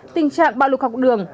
tình trạng bạo lục học đường